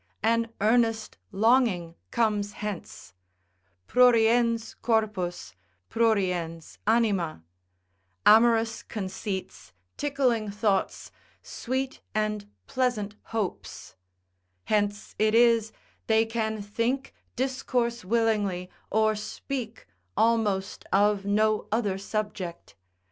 an earnest longing comes hence, pruriens corpus, pruriens anima, amorous conceits, tickling thoughts, sweet and pleasant hopes; hence it is, they can think, discourse willingly, or speak almost of no other subject.